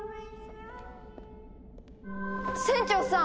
船長さん！